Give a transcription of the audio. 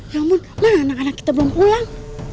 ya ampun mana anak anak kita belum pulang